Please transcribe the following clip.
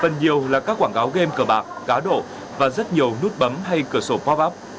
phần nhiều là các quảng cáo game cờ bạc cá độ và rất nhiều nút bấm hay cửa sổ pop up